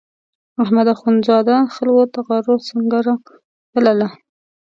احمد اخوندزاده خلکو د غرو سنګړه بلله.